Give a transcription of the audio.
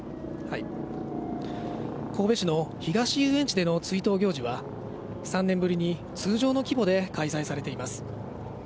神戸市の東遊園地での追悼行事は、３年ぶりに通常の規模で開催されています。